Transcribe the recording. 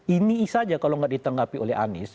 ini saja kalau nggak ditanggapi oleh anies